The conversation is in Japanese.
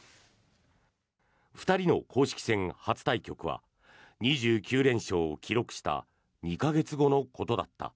２人の公式戦初対局は２９連勝を記録した２か月後のことだった。